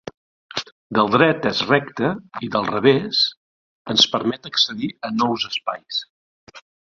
Del dret és recte i del revés ens permet accedir a nous espais.